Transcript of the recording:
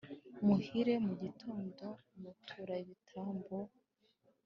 Muhere mu gitondo mutura ibitambo,